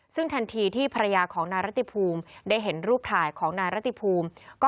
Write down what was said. ซึ่งทันทีที่ภรรยาของนายรัติภูมิได้เห็นรูปถ่ายของนายรติภูมิ